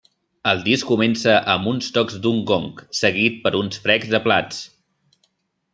El disc comença amb uns tocs d'un gong, seguit per uns frecs de plats.